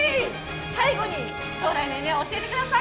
最後に、将来の夢を教えてください。